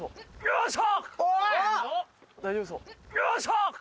よし！